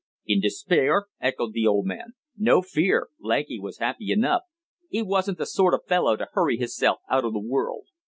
"In despair!" echoed the old man. "No fear. Lanky was happy enough. 'E wasn't the sort of fellow to hurry hisself out o' the world.